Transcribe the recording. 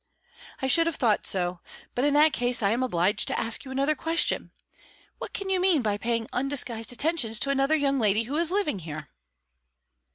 "I should have thought so. But in that case I am obliged to ask you another question. What can you mean by paying undisguised attentions to another young lady who is living here?"